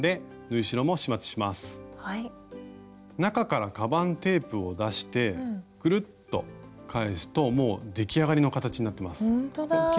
中からかばんテープを出してくるっと返すともう出来上がりの形になってます。